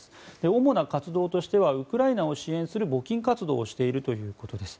主な活動としてはウクライナを支援する募金活動をしているということです。